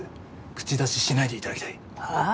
口出ししないで頂きたい。はあ！？